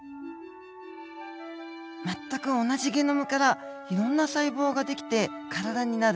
全く同じゲノムからいろんな細胞ができて体になる。